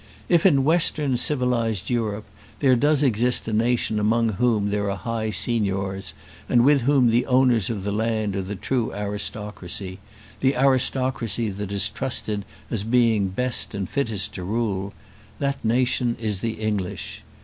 If in western civilised Europe there does exist a nation among whom there are high signors, and with whom the owners of the land are the true aristocracy, the aristocracy that is trusted as being best and fittest to rule, that nation is the English.